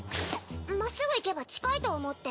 真っ直ぐ行けば近いと思って。